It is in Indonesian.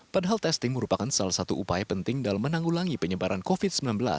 padahal testing merupakan salah satu upaya penting dalam menanggulangi penyebaran covid sembilan belas